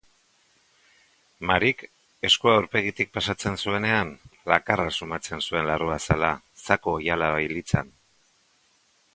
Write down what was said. Maryk eskua aurpegitik pasatzen zuenean, lakarra sumatzen zuen larruazala, zaku-oihala bailitzan.